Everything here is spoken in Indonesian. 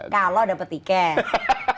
kalau dapet tiket di kontestasi